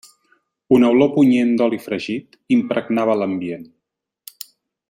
Una olor punyent d'oli fregit impregnava l'ambient.